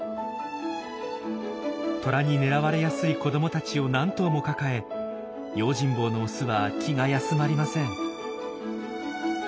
トラに狙われやすい子どもたちを何頭も抱え用心棒のオスは気が休まりません。